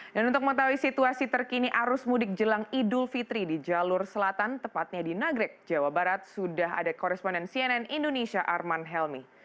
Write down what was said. dan untuk mengetahui situasi terkini arus mudik jelang idul fitri di jalur selatan tepatnya di nagrek jawa barat sudah ada koresponden cnn indonesia arman helmi